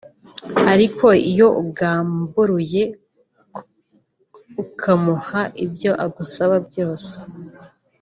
Ariko iyo ugamburuye ukamuha ibyo agusaba byose